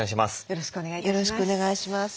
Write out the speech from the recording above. よろしくお願いします。